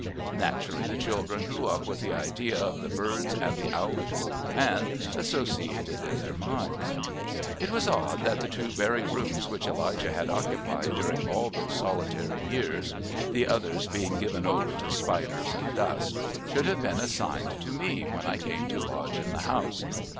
Naturally, the children grew up with the idea of the birds and the owlish old man associated in their minds. It was odd that the two very rooms which Elijah had occupied during all those solitary years, the others being given over to spiders and dust, should have been assigned to me when I came to lodge in the house.